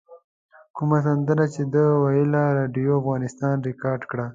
کومه سندره چې ده ویله راډیو افغانستان رایاد کړ.